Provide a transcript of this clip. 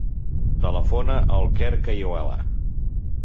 Telefona al Quer Cayuela.